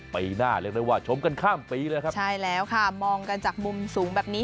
ไปหน้าเรียกได้ว่าชมกันข้ามปีเลยมองกันจากมุมสูงแบบนี้